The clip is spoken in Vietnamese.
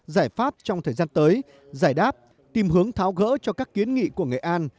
giải pháp trong thời gian tới giải đáp tìm hướng tháo gỡ cho các kiến nghị của nghệ an